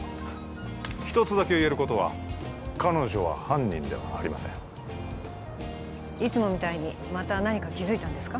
一つだけ言えることは彼女は犯人ではありませんいつもみたいにまた何か気づいたんですか？